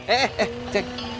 eh eh eh cek